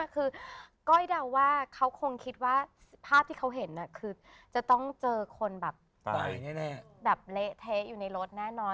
คือก้อยเดาว่าเขาคงคิดว่าภาพที่เขาเห็นคือจะต้องเจอคนแบบตายแน่แบบเละเทะอยู่ในรถแน่นอน